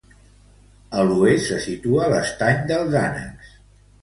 A l'oest se situa l'estany dels ànecs.